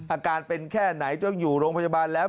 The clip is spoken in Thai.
อาการเป็นแค่ไหนต้องอยู่โรงพยาบาลแล้ว